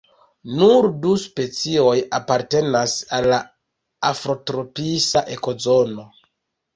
Nur du specioj apartenas al la afrotropisa ekozono.